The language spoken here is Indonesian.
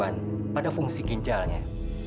ada gangguan pada fungsi ginjalnya